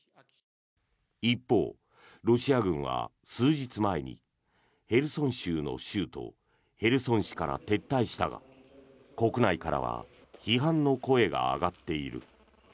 一方、ロシア軍は数日前にヘルソン州の州都ヘルソン市から撤退したが国内からは批判の声が上がっている。